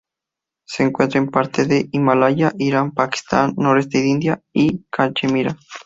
Se encuentra en parte del Himalaya, Irán, Pakistán, noroeste de India y Cachemira.